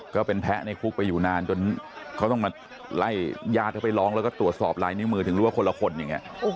ก็เป็นแพ้ในคุกไปอยู่นานจนเขาต้องมาไล่ญาติเขาไปร้องแล้วก็ตรวจสอบลายนิ้วมือถึงรู้ว่าคนละคนอย่างนี้